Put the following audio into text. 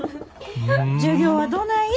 授業はどない？